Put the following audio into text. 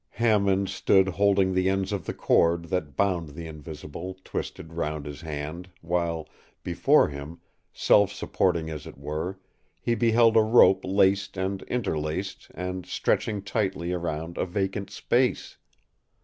”] Hammond stood holding the ends of the cord, that bound the Invisible, twisted round his hand, while before him, self supporting as it were, he beheld a rope laced and interlaced, and stretching tightly around a vacant space.